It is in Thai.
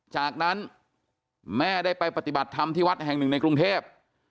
จากนั้นแม่ได้ไปปฏิบัติธรรมที่วัดแห่งหนึ่งในกรุงเทพ